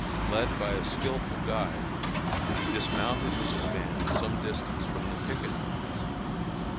Led by a skilful guide, he dismounted his command some distance from the picket lines.